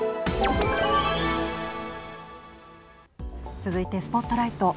続いてＳＰＯＴＬＩＧＨＴ